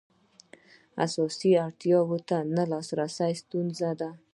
اساسي اړتیاوو ته نه لاسرسی ستونزه ده.